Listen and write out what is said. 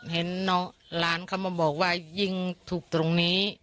เห็นหลานเขามาบอกว่ายิงถูกตรงนี้